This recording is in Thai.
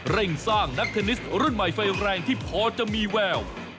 เร่งสร้างนักเทนนิสรุ่นใหม่ไฟแรงที่พอจะมีแวว